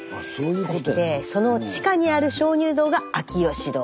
そしてその地下にある鍾乳洞が秋芳洞。